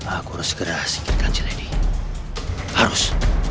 aku harus segera singkirkan si lady harus